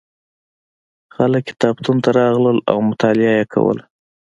خلک کتابتون ته راتلل او مطالعه یې کوله.